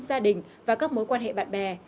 gia đình và các mối quan hệ bạn bè